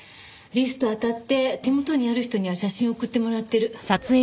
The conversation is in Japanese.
リストあたって手元にある人には写真送ってもらってる。